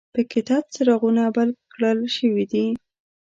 په کې تت څراغونه بل کړل شوي دي.